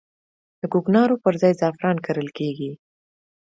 د کوکنارو پر ځای زعفران کرل کیږي